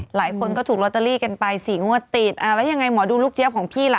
หลายคนก็ถูกลอตเตอรี่กันไปสี่งวดติดอ่าแล้วยังไงหมอดูลูกเจี๊ยบของพี่ล่ะ